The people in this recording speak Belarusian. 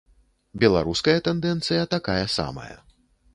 Беларуская тэндэнцыя такая самая.